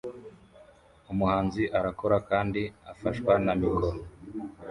Umuhanzi arakora kandi afashwa na mikoro